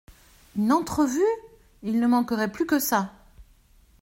Une entrevue !… il ne manquerait plus que ça !…